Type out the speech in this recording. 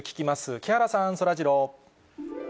木原さん、そらジロー。